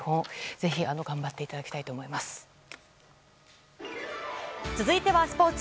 ぜひ頑張ってたいただきたいと続いてはスポーツ。